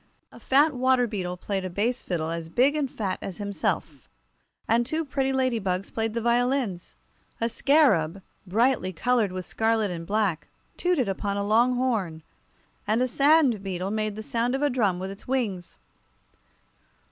A fat water beetle played a bass fiddle as big and fat as himself, and two pretty ladybugs played the violins. A scarab, brightly colored with scarlet and black, tooted upon a long horn, and a sand beetle made the sound of a drum with its wings.